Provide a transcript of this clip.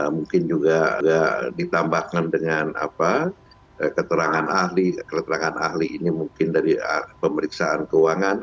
mungkin juga ditambahkan dengan keterangan ahli keterangan ahli ini mungkin dari pemeriksaan keuangan